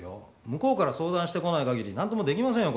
向こうから相談してこない限りなんともできませんよ